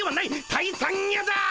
「退散や」だ！